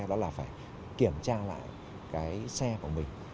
đó là phải kiểm tra lại cái xe của mình